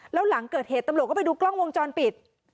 แล้วหลังเกิดเหตุตำรวจก็ไปดูกล้องวงจรปิด